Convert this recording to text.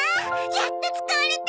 やっと使われた！